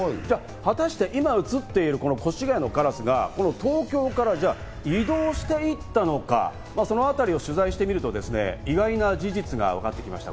果たして今映っている、この越谷のカラスが東京から移動していったのか、そのあたりを取材してみると、意外な事実が分かってきました。